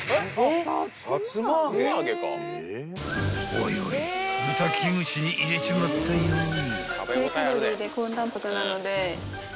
［おいおい豚キムチに入れちまったよい］